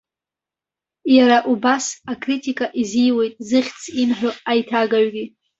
Иара убас акритика изиуеит зыхьӡ имҳәо аиҭагаҩгьы.